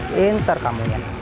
pinter kamu ya